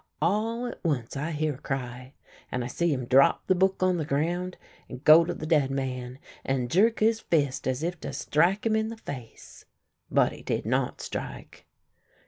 All at once I hear a cry, and I see him drop the book on the ground, and go to the dead man, and jerk his fist as if to strike him in the face. But he did not strike."